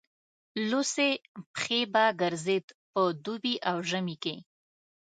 لوڅې پښې به ګرځېد په دوبي او ژمي کې.